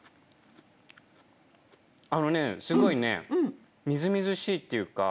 あのねすごいねみずみずしいっていうか。